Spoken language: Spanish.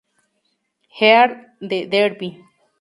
Earl de Derby.